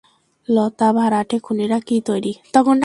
লতা, ভাড়াটে খুনিরা কি তৈরি?